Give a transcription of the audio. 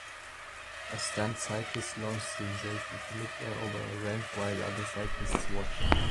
A stunt cyclist launches himself into midair over a ramp while other cyclists watch.